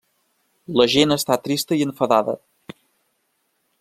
La gent està trista i enfadada.